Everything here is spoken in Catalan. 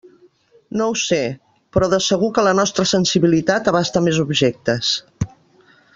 No ho sé; però de segur que la nostra sensibilitat abasta més objectes.